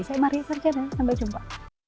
saya maria sarjana sampai jumpa